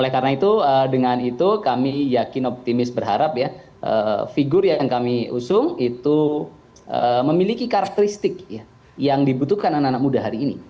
oleh karena itu dengan itu kami yakin optimis berharap ya figur yang kami usung itu memiliki karakteristik yang dibutuhkan anak anak muda hari ini